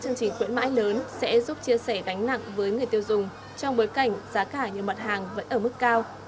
chương trình khuyến mãi lớn sẽ giúp chia sẻ gánh nặng với người tiêu dùng trong bối cảnh giá cả nhiều mặt hàng vẫn ở mức cao